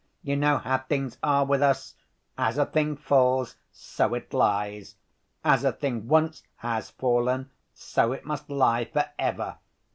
You know how things are with us? As a thing falls, so it lies. As a thing once has fallen, so it must lie for ever.